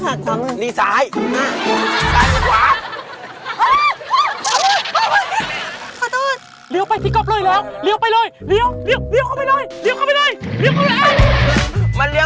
เข้ากลับกลางไปเลย